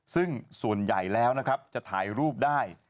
ซึ่งส่วนใหญ่แล้วจะถ่ายรูปได้